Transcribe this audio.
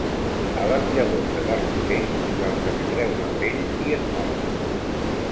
A les llavors de garrofer se'ls extreu la pell i es molen.